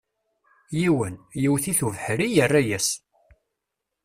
Yiwen, yewwet-it ubeḥri, yerra-yas.